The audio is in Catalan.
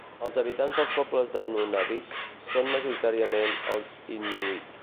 Els habitants dels pobles de Nunavik són majoritàriament els inuit.